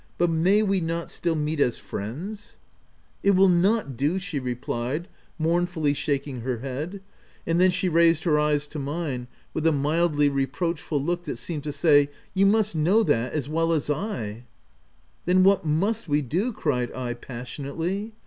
But may we not still meet as friends ?" OF W1LDFELL HALL. 143 "It will not do," she replied, mournfully shaking her head ; and then she raised her eyes to mine, with a mildly reproachful look that seemed to say, " You must know that as well as V " Then what must we do }" cried I, passion ately.